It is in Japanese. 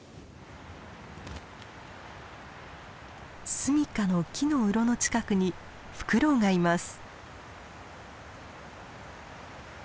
住みかの木のうろの近くにフクロウがいます。